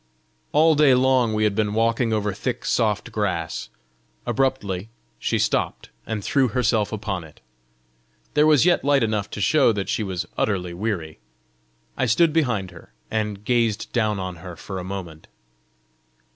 All day long we had been walking over thick soft grass: abruptly she stopped, and threw herself upon it. There was yet light enough to show that she was utterly weary. I stood behind her, and gazed down on her for a moment.